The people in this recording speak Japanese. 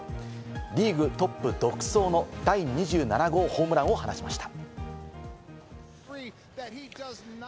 リーグトップ独走の第２７号ホームランを放ちました。